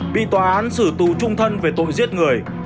bị tòa án xử tù trung thân về tội giết người